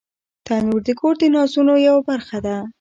تنور د کور د نازونو یوه برخه ده